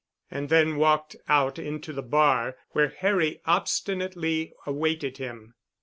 And then walked out into the bar where Harry obstinately awaited him.